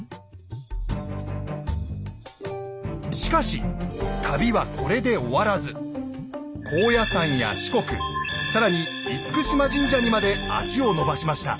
しかし旅はこれで終わらず高野山や四国更に嚴島神社にまで足を延ばしました。